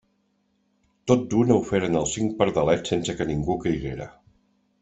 Tot d'una ho feren els cinc pardalets sense que ningú caiguera.